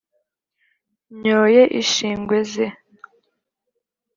nyoye ishingwe ze